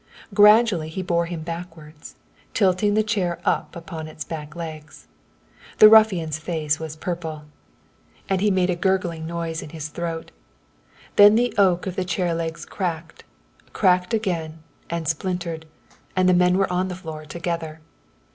Gradually he bore him backwards, tilting the chair up on its back legs. The ruffian's face was purple, and he made a gurgling noise in his throat. Then the oak of the chair legs cracked, cracked again, and splintered, and the men were on the floor together.